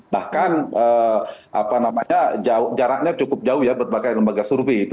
bahkan jaraknya cukup jauh ya berbagai lembaga survei